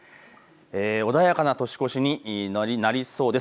穏やかな年越しになりそうです。